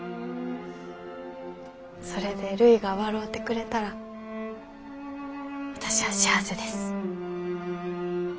それでるいが笑うてくれたら私は幸せです。